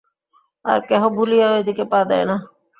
আর কেহ ভুলিয়াও এদিকে পা দেয় না।